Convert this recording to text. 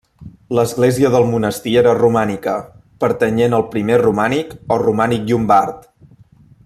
L'església del monestir era romànica, pertanyent al primer romànic o romànic llombard.